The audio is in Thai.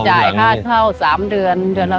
จุดจ่ายค่าเท่า๓เดือน